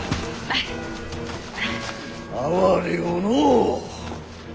哀れよのう。